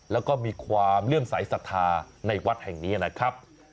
แล้วก็มีความเลื่อมสายศรัทธาในวัดแห่งนี้นะครับ